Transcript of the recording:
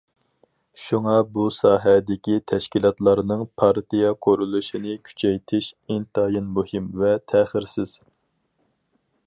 شۇڭا بۇ ساھەدىكى تەشكىلاتلارنىڭ پارتىيە قۇرۇلۇشىنى كۈچەيتىش ئىنتايىن مۇھىم ۋە تەخىرسىز.